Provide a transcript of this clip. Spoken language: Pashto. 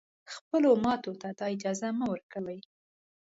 خپلو ماتو ته دا اجازه مه ورکوی